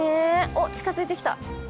おっ近づいて来た。